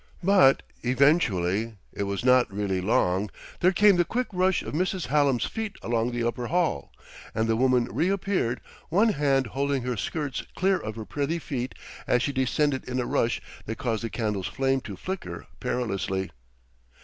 But eventually it was not really long there came the quick rush of Mrs. Hallam's feet along the upper hall, and the woman reappeared, one hand holding her skirts clear of her pretty feet as she descended in a rush that caused the candle's flame to flicker perilously.